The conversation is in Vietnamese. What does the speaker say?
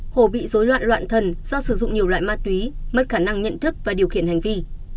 hồ bị dối loạn loạn thần do sử dụng nhiều loại ma túy mất khả năng nhận thức và điều khiển hành vi